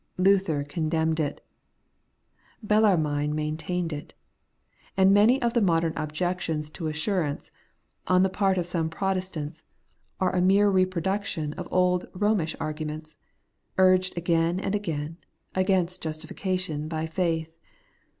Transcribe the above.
Luther condemned it ; Bellarmine maintained it. And many of the modern objections to assurance, on the part of some Protestants, are a mere reproduction of old Eomish arguments, urged again and again, against justification by faith.